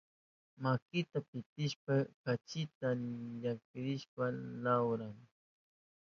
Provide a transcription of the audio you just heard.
Makinta pitishpan kachita llankashpan lawran.